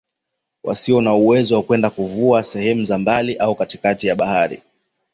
Wasio na uwezo wa kwenda kuvua sehemu za mbali au katikati ya bahari